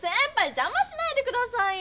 じゃましないでくださいよ！